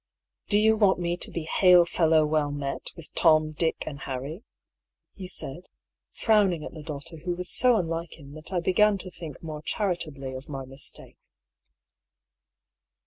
" Do you want me to be hail fellow well met with Tom, Dick, and Harry?" he said, frowning at the daughter who was so unlike him that I began to think more charitably of my mistake.